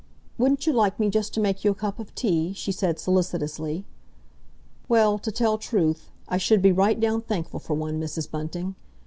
"Wouldn't you like me just to make you a cup of tea?" she said solicitously. "Well, to tell truth, I should be right down thankful for one, Mrs. Bunting!"